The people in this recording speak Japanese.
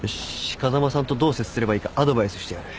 風間さんとどう接すればいいかアドバイスしてやる。